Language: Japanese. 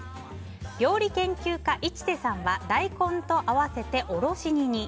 料理研究家・市瀬さんは大根と合わせて、おろし煮に。